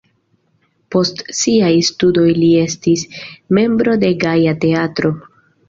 Post siaj studoj li estis membro de Gaja Teatro.